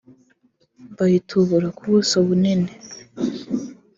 bayitubura ku buso bunini